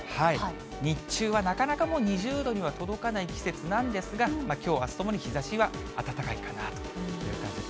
日中はなかなか２０度には届かない季節なんですが、きょう、あすともに日ざしは暖かいかなという感じです。